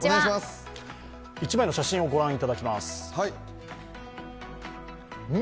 １枚の写真を御覧いただきます。